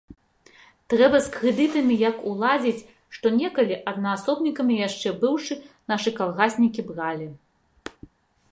Трэба з крэдытамі як уладзіць, што некалі, аднаасобнікамі яшчэ быўшы, нашы калгаснікі бралі.